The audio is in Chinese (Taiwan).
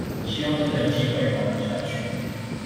希望真的有機會保留下去